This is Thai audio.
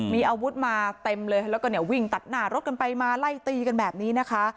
มีอาวุธมาเต็มเลยแล้วก็เนี่ยวิ่งตัดหน้ารถกันไปมาไล่ตีกันแบบนี้นะคะ